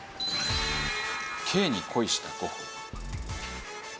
ケーに恋したゴッホ。